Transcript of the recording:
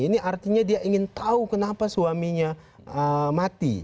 ini artinya dia ingin tahu kenapa suaminya mati